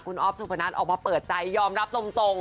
คุณอ๊อฟสุพนัทออกมาเปิดใจยอมรับตรง